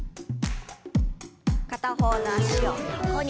片方の脚を横に。